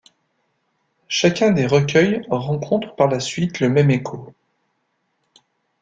Chacun des recueils rencontre, par la suite, le même écho.